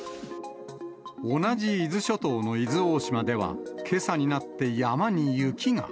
同じ伊豆諸島の伊豆大島では、けさになって山に雪が。